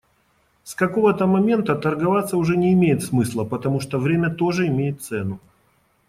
С какого-то момента торговаться уже не имеет смысла, потому что время тоже имеет цену.